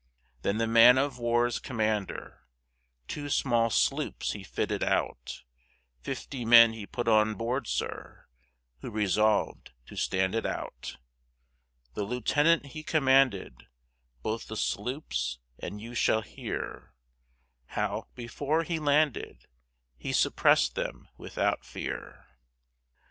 Then the Man of War's Commander, Two small Sloops he fitted out, Fifty Men he put on board, Sir, Who resolv'd to stand it out; The Lieutenant he commanded Both the Sloops, and you shall hear How, before he landed, He suppress'd them without fear.